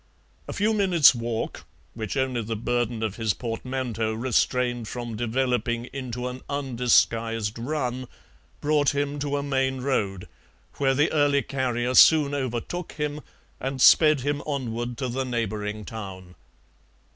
A few minutes' walk, which only the burden of his portmanteaux restrained from developing into an undisguised run, brought him to a main road, where the early carrier soon overtook him and sped him onward to the neighbouring town.